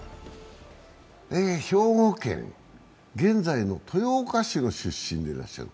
兵庫県、現在の豊岡市の出身でいらっしゃる。